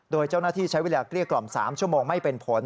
โดยเจ้าหน้าที่ใช้เวลาเกลี้ยกล่อม๓ชั่วโมงไม่เป็นผล